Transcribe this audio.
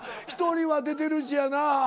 ひとりは出てるしやな。